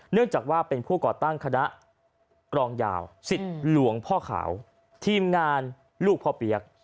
เนื่องจากว่าเป็นผู้ก่อตั้งคณะกรองยาวสิทธิ์หลวงพ่อขาวทีมงานลูกพ่อเปี๊ยก